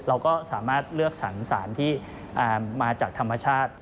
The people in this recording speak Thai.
เราก็สามารถเลือกสรรสารที่มาจากธรรมชาติ